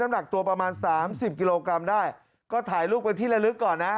น้ำหนักตัวประมาณ๓๐กิโลกรัมได้ก็ถ่ายลูกบนที่ละลึกก่อนนะ